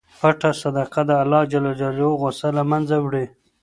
پټه صدقه د اللهﷻ غصه له منځه وړي.